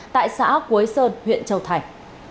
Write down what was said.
tại xã quế sơn huyện châu thành